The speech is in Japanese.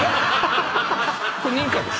これ認可です。